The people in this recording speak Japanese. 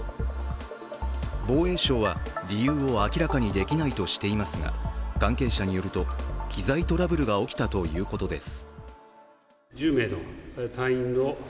防衛省は、理由を明らかにできないとしていますが、関係者によると、機材トラブルが起きたということです。